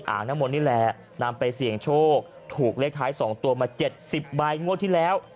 อ่านมนต์นี่แหละนำไปเสี่ยงโชคถูกเลขท้ายสองตัวมาเจ็ดสิบใบงวดที่แล้ว